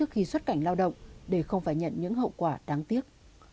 khi xuất cảnh lao động để không phải nhận những hậu quả đáng tiếc